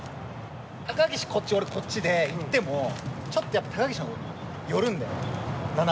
高岸こっち俺こっちで行ってもちょっとやっぱり高岸の方寄るんだよな